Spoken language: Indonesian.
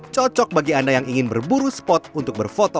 cocok bagi anda yang ingin berburu spot untuk berfoto